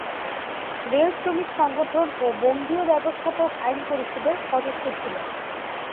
Rail শ্রমিক সংগঠন ও বঙ্গীয় ব্যবস্থাপক আইন পরিষদের সদস্য ছিলেন।